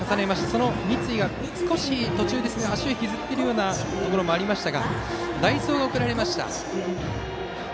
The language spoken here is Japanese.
その三井が少し、途中で足を引きずるようなところがありましたが代走が送られました。